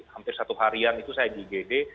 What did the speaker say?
hampir satu harian itu saya di igd